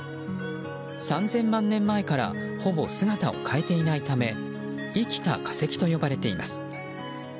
３０００万年前からほぼ姿を変えていないため生きた化石と呼ばれています。